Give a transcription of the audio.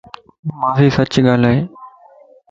مانسين سچ ڳالھائي